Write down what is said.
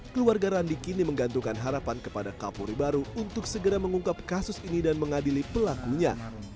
keluarga randi kini menggantungkan harapan kepada kapolri baru untuk segera mengungkap kasus ini dan mengadili pelakunya